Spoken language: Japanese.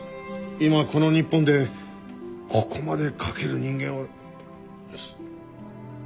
今この日本でここまで描ける人間は。